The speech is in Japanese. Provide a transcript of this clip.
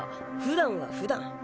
ふだんはふだん。